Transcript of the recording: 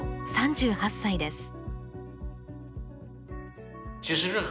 ３８歳です。